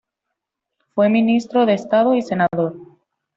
Fue ministro de Estado y senador.